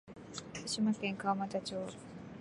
福島県川俣町